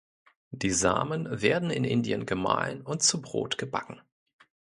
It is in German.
Die Samen werden in Indien gemahlen und zu Brot gebacken.